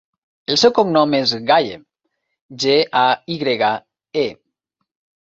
El seu cognom és Gaye: ge, a, i grega, e.